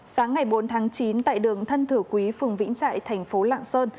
sáng ngày bốn tháng chín tại đường thân thử quý phường vĩnh trại tp lạng sơn